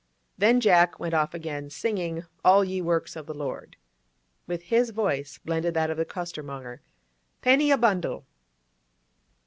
Then Jack went off again, singing, 'All ye works of the Lord.' With his voice blended that of the costermonger, 'Penny a bundill!